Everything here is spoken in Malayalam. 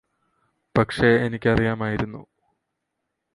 പക്ഷേ എനിക്കറിയാമായിരുന്നു